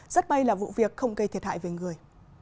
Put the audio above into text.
rất may là vụ việc không gây thiệt hại về người